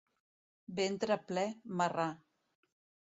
Ventre ple, marrà.